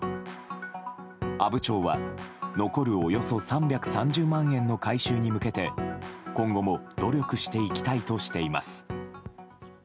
阿武町は残るおよそ３３０万円の回収に向けて今後も努力していきたいとしています。